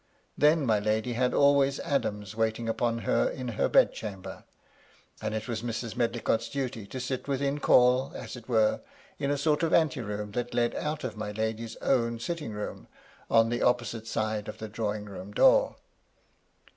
Then my lady had always Adams waiting upon her in her bed chamber ; and it was Mrs. Medlicott's duty to sit within call, as it were, in a sort of anteroom that led out of my lady's own sitting room, on the opposite side to the drawing room door.